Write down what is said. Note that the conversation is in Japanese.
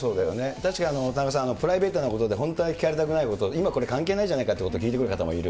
確かに、田中さん、プライベートなこと、聞かれたくないこと、今これ関係ないじゃないかということを聞いてくる方もいる。